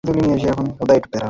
আমি আপনার ছেলে।